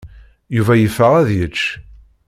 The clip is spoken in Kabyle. Yuba yeffeɣ ad d-yečč.